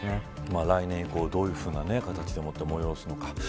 来年以降どういうふうな形で催すのか。